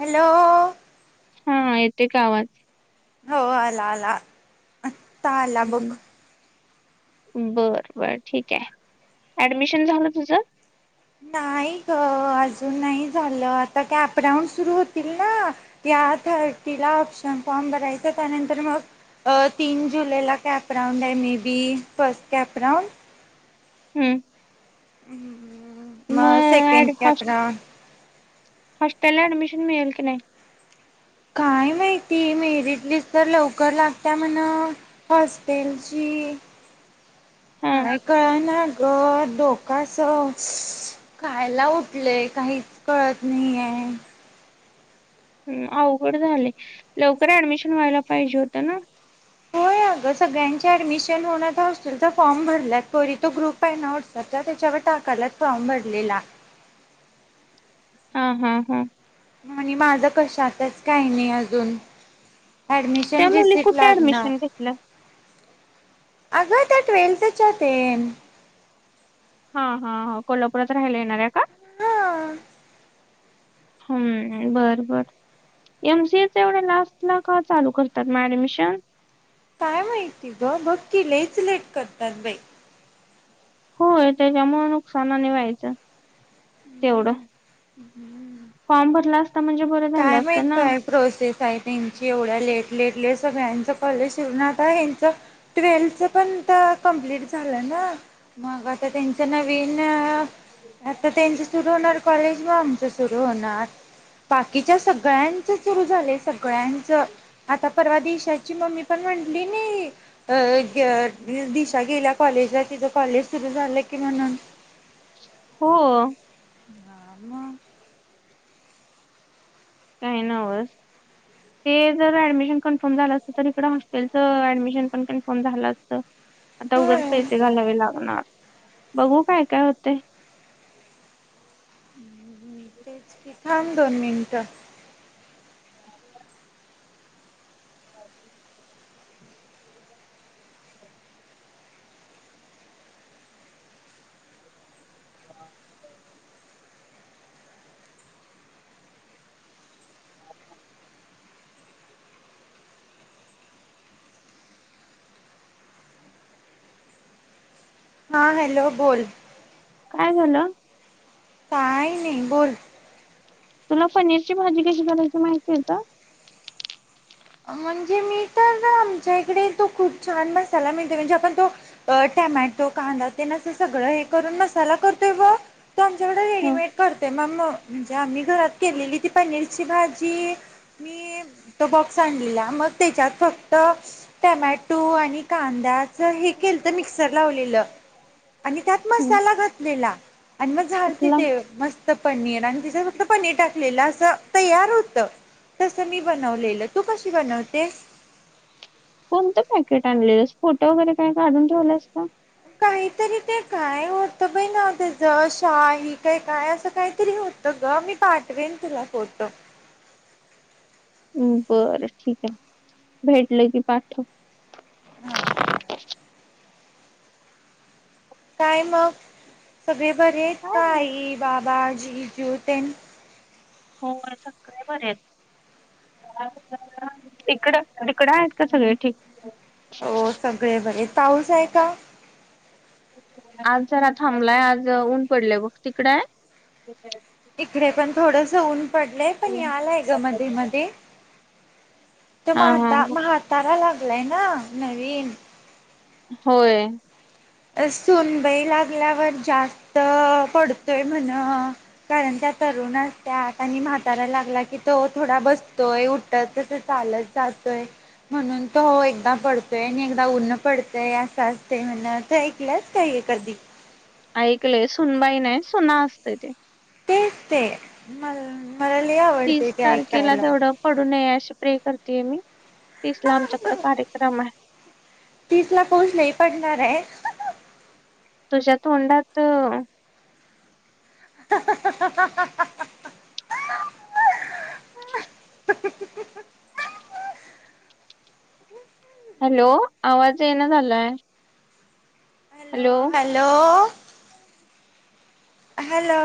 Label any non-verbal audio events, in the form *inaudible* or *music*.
Hello हां येते का आवाज? हो आला आला आता आला बघ. बर बर ठीक आहे ऍडमिशन झाल तुझ? नाही ग अजून नाही झाल आता काय कॅप राऊंड सुरू होतील ना. या थर्टीला ऑप्शन फॉर्म भरायच त्यानंतर मग अ तीन जुलैला कॅप राऊंड आहे मे बी फर्स्ट कॅपराऊंड. हम्म *inaudible* सेकंड मग कॅप *unintelligible* राऊंड हॉस्टेलला ऍडमिशन मिळेल की नाही? काय माहिती मेरिट लिस्ट तर लवकर लागत्या म्हण? हॉस्टेलची हा काय कळना. घर *unintelligible* धोका अस खायला उठलय काहीच कळत नाहीये. अवघड झालय लवकर ऍडमिशन व्हायला पाहिजे होत ना? होय अग सगळ्यांचे ऍडमिशन होणार हॉस्टेलचा फॉर्म भरला तरी तो ग्रुप ग्रुप आहे ना व्हाट्सअपचा त्याच्यावर टाकायला फॉर्म भरलेला. हां हां हां माझ कशातच काही नाही अजून. त्या ऍडमिशन मुली रिसिट कुठे लागणार. ऍडमिशन घेतलं अग त्यात *unintelligible* ते. हां हां हां कोल्हापुरात राहायला येणार आहे का? हां हम्म बर बर. एम सी ए चा एवढ्या लास्टला का चालू करतात मग ऍडमिशन? काय माहिती ग बक्की लईच लेट करतात बाई. होय त्याच्यामुळ नुकसान आणि व्हायच. तेवढ फॉर्म भरला असता म्हणजे बरं झालं काय माहित असतं ना काय. प्रोसेस आहे त्यांची एवढ्या लेट लेट लेट सगळ्यांच कॉलेज शिवण आता ह्यांच. ट्वेल्थच पण तर कम्प्लीट झाल ना. मग आता त्यांच नवीन. आता, त्यांचं सुरू होणार कॉलेज, म आमचं सुरू होणार. बाकीच्या, सगळ्यांच सुरू झाले सगळ्यांच. आता, परवा दिशाची मम्मी पण, म्हटली ना अ, दिशा गेल्या कॉलेजला तिथं कॉलेज सुरु झालं, की म्हणून, हो, हा म, काही नावस ते जर, ऍडमिशन कन्फर्म झालं असतं तर, इकडं हॉस्टेलचं ऍडमिशन पण, कन्फर्म झालं असत. आता उगच होय पैसे घालावे लागणार, बघू काय -काय होतेय. ते च, की दोन मिंट *unintelligible* *unintelligible* हा, हा, हॅलो! बोल, काय झालं, काही नाही, बोल तुला, पनीरची भाजी कशी करायची माहिती आहे का? म्हणजे, मी तर आमच्या इकडे, तो खूप छान मसाला मिळते. म्हणजे आपण तो अ, टमॅटो कांदा तेन, असं सगळं हे करून मसाला करतोय ब, ते, आमच्याकडे ह रेडीमेट करत्यात. म म्हणजेम्ही, आम्ही घरात केलेली, ती पनीरची भाजी, मी त बघ सण दिलाला, मग त्याच्यात फक्त, टमॅटो आणि, कांद्या जर हे, केलं तर मिक्सर लावलेलं, आणि त्यात ह मसाला घातलेला. आणि मग, झालात कुठला ते, मस्त पनीर आणि, तिचं फक्त पनीर टाकलेलं असं तयार होत. तसं मी बनवलेलं, तू कशी बनवतेस? कोणतं पॅकेट आणलेस? फोटो वगैरे काही काढून ठेवलास का! काहीतरी ते, काय होत बई ना, त्या ज शाही काय- काय असं काहीतरी होत. सगळं मी, पाठवेन तुला फोटो. हम्, बरं ठीक आहे. भेटल की पाठव. हा, काय मग, सगळे बर आहेत काय का, आई, बाबाजी, चिऊ, तेन हो, सगळे बरे आहेत. इकड, तिकड आहेत का सगळे ठीक. हो सगळे बरे, पाऊस आहे का? आज जरा थांबलाय, आज ऊन पडले बघ, तिकड आहे. इकडे पण, थोडस ऊन पडलंय, पण हा यालाय ग मध्ये -मध्ये तो, म्हाता हा -म्हाताारा लागलाय ना. नवीन होय, सोनबई लागल्यावर, जास्त पडतोय म्हण. कारण त्या, तरुणास असत्यात, आणि म्हाता लागला की तो, थोडा बसतोय उठत तसं चालच. जातोय, म्हणून तो एकदा पडतोय, आणि एकदा उऊनन पडतंय, असं असते म्हण. ते, ऐकलंच काय कधी, ऐकले, सुनबाई नाही, सुना असते ते, तेच, ते मला- मला लई आवडते तीस ते, तारखेला ऐकायला. तेवढं पडू नये, अशी प्रे करतेये मी, तिसला आमच्याकड कार्यक्रम आहे. तीसला पाऊस लई पडणारे. तुझ्या तोंडात *unintelligible* *inaudible* हॅलो, आवाज ये ना झालाय. हॅलो. हॅलो. हॅलो.